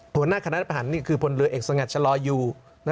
หัวหน้าคณะรัฐประหารนี่คือพลเอกสังหัสชะลอยู